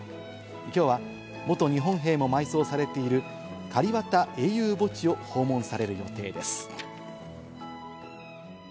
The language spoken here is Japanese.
きょうは元日本兵も埋葬されているカリバタ英雄墓地を訪問される予定です。